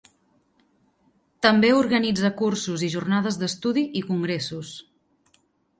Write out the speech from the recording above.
També organitza cursos i jornades d'estudi i congressos.